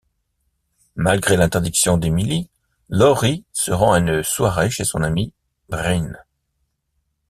Malgré l'interdiction d'Emilie, Lori se rend à une soirée chez son amie, Brynn.